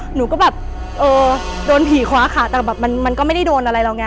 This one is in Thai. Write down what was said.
หนูก็แบบเออโดนผีคว้าขาแต่แบบมันก็ไม่ได้โดนอะไรเราไง